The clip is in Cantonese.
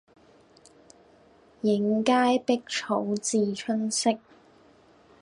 映階碧草自春色